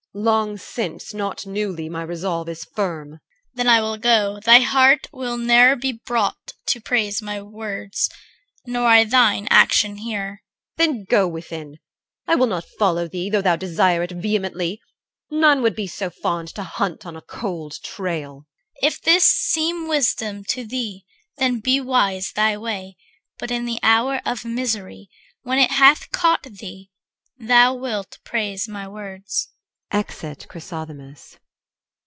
EL. Long since, not newly, my resolve is firm. CHR. Then I will go. Thy heart will ne'er be brought To praise my words, nor I thine action here. EL. Then go within! I will not follow thee, Though thou desire it vehemently. None Would be so fond to hunt on a cold trail. CHR. If this seem wisdom to thee, then be wise Thy way: but in the hour of misery, When it hath caught thee, thou wilt praise my words. [Exit CHRYSOTHEMIS CHORUS.